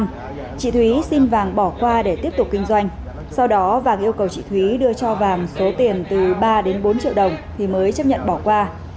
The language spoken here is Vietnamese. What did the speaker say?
nhưng chị thúy xin vàng bỏ qua để tiếp tục kinh doanh sau đó vàng yêu cầu chị thúy đưa cho vàm số tiền từ ba đến bốn triệu đồng thì mới chấp nhận bỏ qua